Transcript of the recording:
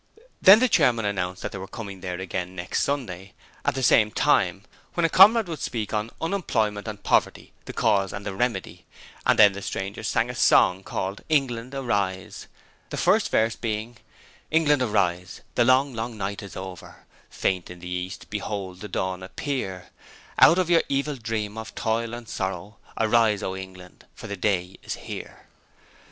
Then the chairman announced that they were coming there again next Sunday at the same time, when a comrade would speak on 'Unemployment and Poverty, the Cause and the Remedy', and then the strangers sang a song called 'England Arise', the first verse being: England Arise, the long, long night is over, Faint in the east, behold the Dawn appear Out of your evil dream of toil and sorrow Arise, O England! for the day is here!